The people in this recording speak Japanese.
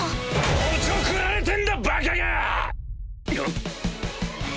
おちょくられてんだバカが！あっ？